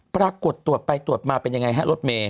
ปรากฏตรวจไปตรวจมาเป็นยังไงฮะรถเมย